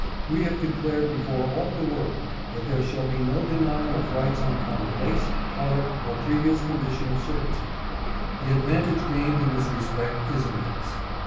We have declared before all the world that there shall be no denial of rights on account of race, color, or previous condition of servitude. The advantage gained in this respect is immense.